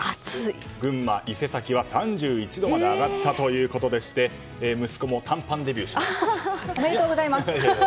群馬・伊勢崎は３１度まで上がったということでしておめでとうございます。